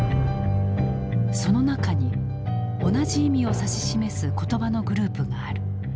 その中に同じ意味を指し示す言葉のグループがある。